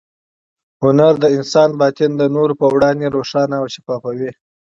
هنر د انسان باطن د نورو په وړاندې روښانه او شفافوي.